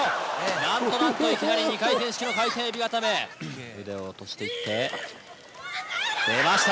何と何といきなり二回転式の回転エビ固め腕を落としていって出ました